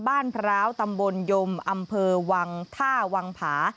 พร้าวตำบลยมอำเภอวังท่าวังผา